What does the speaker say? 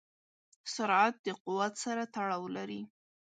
سرعت د قوت سره تړاو لري.